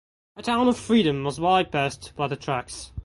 The town of Freedom was bypassed by the tracks.